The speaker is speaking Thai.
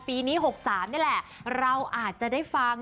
ปีนี้หกสามเนี่ยแหละเราอาจจะได้ฟัง